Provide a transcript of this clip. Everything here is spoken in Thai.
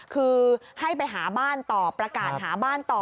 คือให้ไปหาบ้านต่อประกาศหาบ้านต่อ